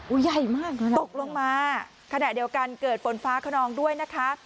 ใหญ่มากเลยนะตกลงมาขณะเดียวกันเกิดฝนฟ้าขนองด้วยนะคะ